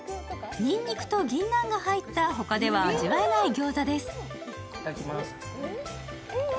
にんにくとぎんなんが入ったほかでは味わえない餃子です。